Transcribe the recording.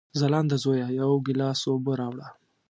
ځلانده زویه، یو ګیلاس اوبه راوړه!